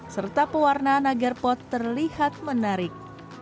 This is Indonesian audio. serta pewarnaan agar pot terlihat menarik